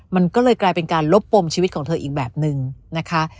มันก็เลยกลายเป็นการลบปมชีวิตของเธออีกแบบนึงนะคะ